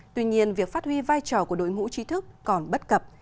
tuy nhiên việc phát huy vai trò của đội ngũ trí thức còn bất cập